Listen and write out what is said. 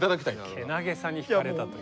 けなげさに引かれたと。